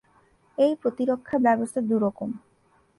এই প্রতিরক্ষা ব্যবস্থা দুই রকম।